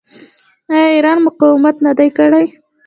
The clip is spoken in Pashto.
آیا ایران مقاومت نه دی کړی؟